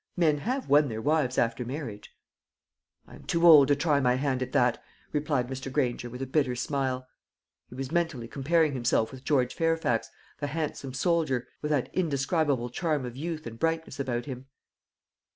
Men have won their wives after marriage." "I am too old to try my hand at that," replied Mr. Granger, with a bitter smile. He was mentally comparing himself with George Fairfax, the handsome soldier, with that indescribable charm of youth and brightness about him.